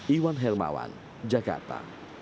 iwan helmawan jakarta